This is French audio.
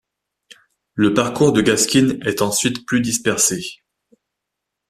Le parcours de Gaskin est ensuite plus dispersé.